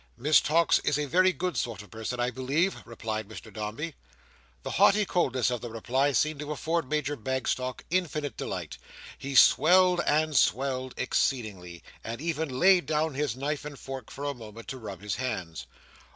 "Miss Tox is a very good sort of person, I believe," replied Mr Dombey. The haughty coldness of the reply seemed to afford Major Bagstock infinite delight. He swelled and swelled, exceedingly: and even laid down his knife and fork for a moment, to rub his hands.